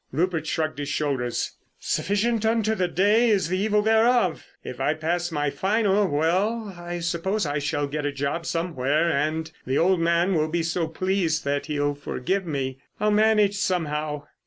Rupert shrugged his shoulders. "Sufficient unto the day is the evil thereof. If I pass my final—well, I suppose I shall get a job somewhere and the old man will be so pleased that he'll forgive me.... I'll manage somehow.